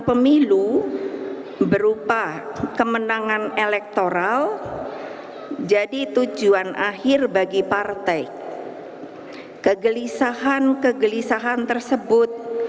pemilu berupa kemenangan elektoral jadi tujuan akhir bagi partai kegelisahan kegelisahan tersebut